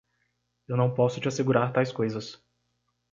Eu não posso te assegurar tais coisas.